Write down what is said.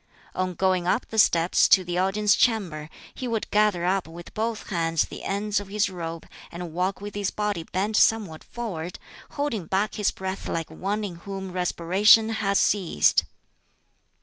On going up the steps to the audience chamber, he would gather up with both hands the ends of his robe, and walk with his body bent somewhat forward, holding back his breath like one in whom respiration has ceased.